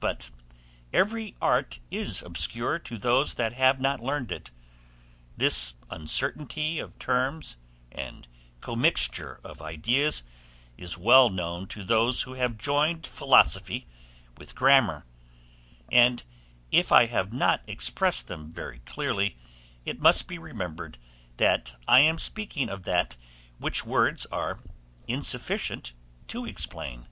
But every art is obscure to those that have not learned it; this uncertainty of terms, and commixture of ideas, is well known to those who have joined philosophy with grammar; and if I have not expressed them very clearly, it must be remembered that I am speaking of that which words are insufficient to explain.